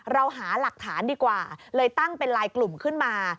เราหาหลักฐานดีกว่าเลยตั้งเป็นลายกลุ่มขึ้นมา